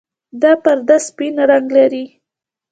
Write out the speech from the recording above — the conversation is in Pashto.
دا پرده سپین رنګ لري.